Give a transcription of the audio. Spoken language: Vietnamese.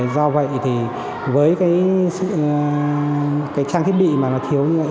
do vậy thì với trang thiết bị mà nó thiếu như vậy